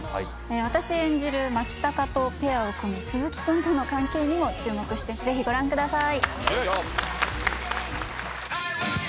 私演じる牧高とペアを組む鈴木君との関係にも注目してぜひご覧ください。